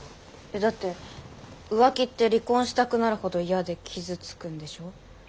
えっだって浮気って離婚したくなるほど嫌で傷つくんでしょ？